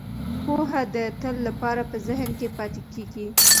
پوهه د تل لپاره په ذهن کې پاتې کیږي.